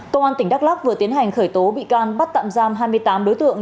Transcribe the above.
công an tỉnh đắk lắc vừa tiến hành khởi tố bị can bắt tạm giam hai mươi tám đối tượng